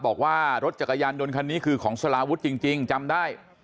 บอกว่ารถจักรยานยนต์คันนี้คือของสลาวุฒิจริงจำได้